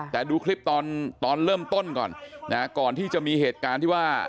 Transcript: แต่ดูคลิปตอนตอนเริ่มต้นก่อนนะฮะก่อนที่จะมีเหตุการณ์ที่ว่า